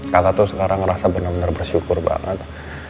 kakak tuh sekarang ngerasa bener bener bersyukur banget